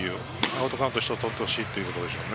アウトカウント１つ取ってほしいということでしょう。